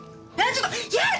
ちょっとやだ！